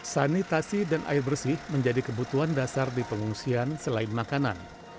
sanitasi dan air bersih menjadi kebutuhan dasar di pengungsian selain makanan